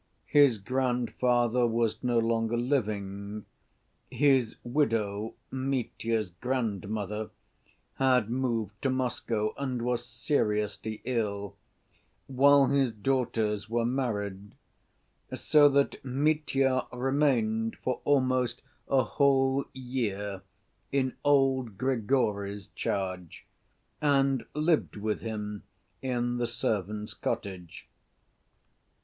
His grandfather was no longer living, his widow, Mitya's grandmother, had moved to Moscow, and was seriously ill, while his daughters were married, so that Mitya remained for almost a whole year in old Grigory's charge and lived with him in the servant's cottage.